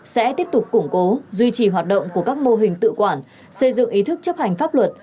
sẽ tiếp tục củng cố duy trì hoạt động của các mô hình tự quản xây dựng ý thức chấp hành pháp luật